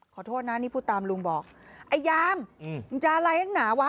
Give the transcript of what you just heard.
ขอโทษนะนี่พูดตามลุงบอกไอ้ยามมึงจะอะไรนักหนาวะ